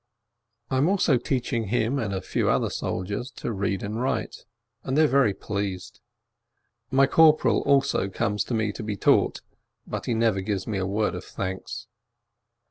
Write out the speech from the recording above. I am also teaching him and a few other soldiers to read and write, and they are very pleased. My corporal also comes to me to be taught, but he never gives me a word of thanks.